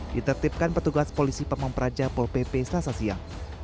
ditertipkan petugas polisi pemangperaja pol pp sasa siang